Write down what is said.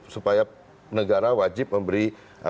supaya negara wajib memberi